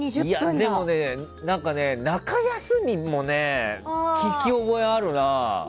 でもね、中休みも聞き覚えはあるな。